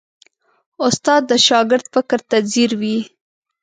استاد د شاګرد فکر ته ځیر وي.